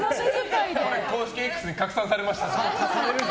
公式Ｘに拡散されました。